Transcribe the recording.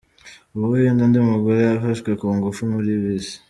U Buhinde Undi mugore yafashwe ku ngufu muri bisi